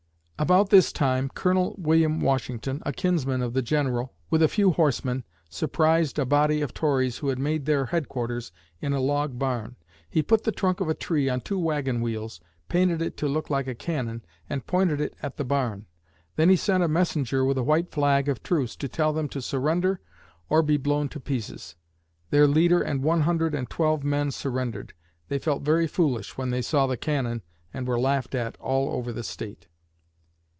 About this time, Colonel William Washington, a kinsman of the General, with a few horsemen, surprised a body of Tories who had made their headquarters in a log barn. He put the trunk of a tree on two wagon wheels, painted it to look like a cannon, and pointed it at the barn. Then he sent a messenger with a white flag of truce to tell them to surrender or be blown to pieces. Their leader and one hundred and twelve men surrendered! They felt very foolish when they saw the cannon and were laughed at all over the State.